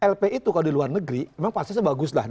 lp itu kalau di luar negeri memang fasilitasnya bagus lah